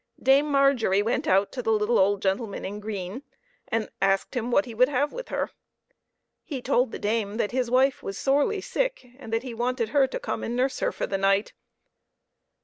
Dame Margery went out to the little old gentleman in green, and asked him what he would have with her. He told the dame that his wife was sorely sick, and that he wanted her to come and nurse her for the night.